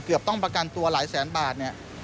ต้องประกันตัวหลายแสนบาทเนี่ย